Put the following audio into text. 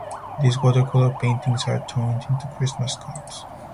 These watercolor paintings are turned into Christmas cards.